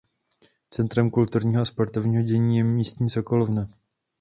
Centrem kulturního a sportovního dění je místní sokolovna.